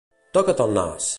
Toca't el nas!